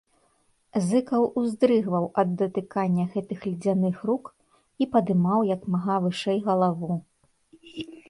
Зыкаў уздрыгваў ад датыкання гэтых ледзяных рук і падымаў як мага вышэй галаву.